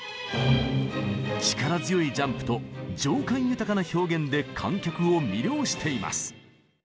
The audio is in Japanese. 力強いジャンプと情感豊かな表現で観客を魅了しています。